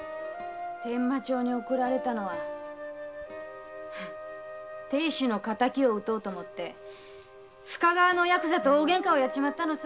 伝馬町へ送られたのは亭主の敵を討とうと深川のヤクザと大ゲンカをやっちまったのさ。